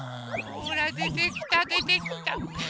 ほらでてきたでてきた！